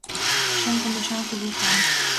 Шем пондашан кужу Пам